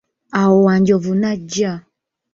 Awo Wanjovu najja.